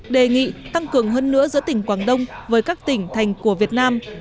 đề nghị tăng cường hơn nữa giữa tỉnh quảng đông với các tỉnh thành của việt nam